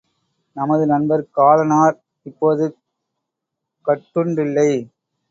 நமது நண்பர் காலனார் இப்போது கட்டுண்டில்லை.